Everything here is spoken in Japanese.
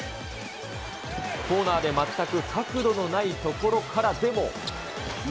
コーナーで全く角度のない所からでも。